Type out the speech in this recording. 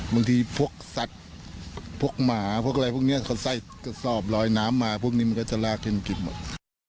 บางทีพวกสัตว์พวกหมาพวกอะไรพวกนี้เขาใส่กระสอบลอยน้ำมาพวกนี้มันก็จะลากเท่นผิดหมด